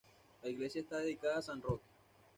La iglesia está dedicada a san Roque.